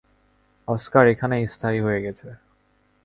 Oscar এখানেই স্থায়ী হয়ে গেছে।